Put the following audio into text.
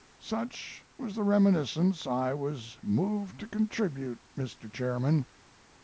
Such was the reminiscence I was moved to contribute, Mr. Chairman.